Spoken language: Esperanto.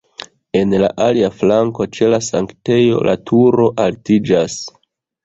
En la alia flanko ĉe la sanktejo la turo altiĝas.